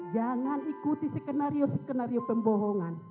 jangan ikuti skenario skenario pembohongan